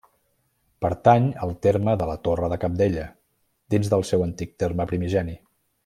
Pertany al terme de la Torre de Cabdella, dins del seu antic terme primigeni.